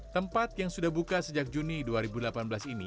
tempat yang sudah buka sejak juni dua ribu delapan belas ini